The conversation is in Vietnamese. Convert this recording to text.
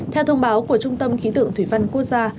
theo thông báo của trung tâm khí tượng thủy văn quốc gia